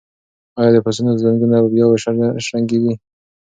ایا د پسونو زنګونه به بیا وشرنګیږي؟